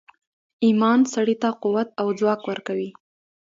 ایمان سړي ته قوت او ځواک ورکوي